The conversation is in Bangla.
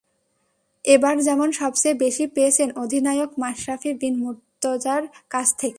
এবার যেমন সবচেয়ে বেশি পেয়েছেন অধিনায়ক মাশরাফি বিন মুর্তজার কাছ থেকে।